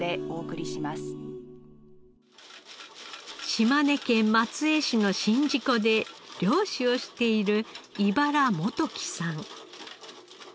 島根県松江市の宍道湖で漁師をしている井原志樹さん。